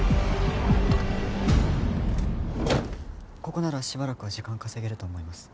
ここならしばらくは時間稼げると思います